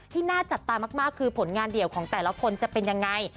ที่น่าจับตามากคือผลงานเดี่ยวของแต่ละคนจะเป็นยังไง